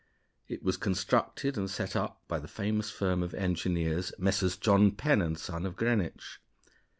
It was constructed and set up by the famous firm of engineers, Messrs. John Penn & Son, of Greenwich.